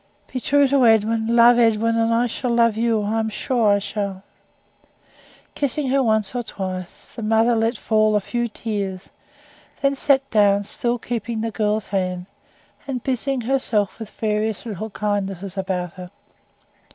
"Be true to Edwin love Edwin, and I shall love you I am sure I shall." Kissing her once or twice, the mother let fall a few tears; then sat down, still keeping the girl's hand, and busying herself with various little kindnesses about her.